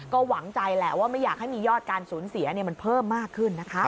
ก็หวังใจแหละว่าไม่อยากให้มียอดการสูญเสียมันเพิ่มมากขึ้นนะคะ